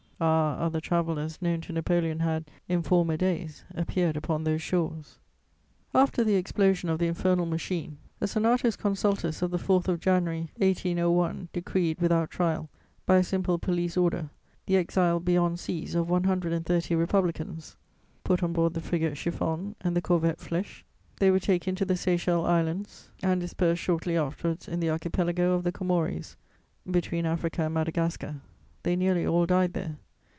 ] Ah, other travellers known to Napoleon had, in former days, appeared upon those shores! After the explosion of the infernal machine, a senatus consultus of the 4th of January 1801 decreed, without trial, by a simple police order, the exile beyond seas of one hundred and thirty Republicans: put on board the frigate Chiffonne and the corvette Flèche, they were taken to the Seychelle Islands and dispersed shortly afterwards in the archipelago of the Comores, between Africa and Madagascar: they nearly all died there.